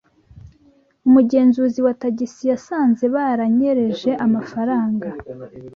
Umugenzuzi wa tagisi yasanze baranyereje amafaranga